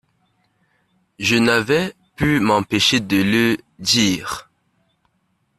Je n’avais pu m’empêcher de le dire.